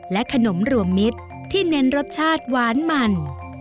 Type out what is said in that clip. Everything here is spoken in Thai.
ขนมรวมมิตรที่เน้นรสชาติหวานมัน